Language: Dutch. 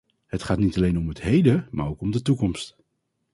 Het gaat niet alleen om het heden maar ook om de toekomst.